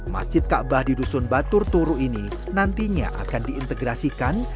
masjid ka bah di dusun batur turu ini nantinya akan diintegrasikan